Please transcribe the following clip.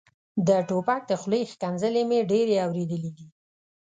د ټوپک د خولې ښکنځلې مې ډېرې اورېدلې دي.